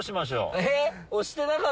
えっ！